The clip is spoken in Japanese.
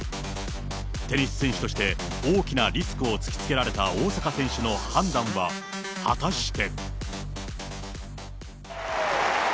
テニス選手として、大きなリスクを突きつけられた大坂選手の判断は果たして。